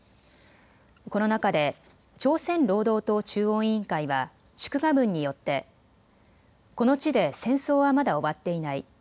この中で朝鮮労働党中央委員会は祝賀文によってこの地で戦争はまだ終わっていない。